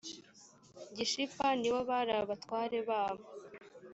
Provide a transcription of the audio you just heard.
gishipa ni bo bari abatware babo